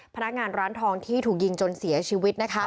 พนักงานร้านทองที่ถูกยิงจนเสียชีวิตนะคะ